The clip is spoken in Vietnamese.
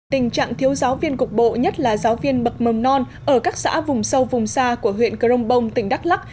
tình trạng thiếu giáo viên cục bộ nhất là giáo viên bậc mầm non ở các xã vùng sâu vùng xa của huyện crong bông tỉnh đắk lắc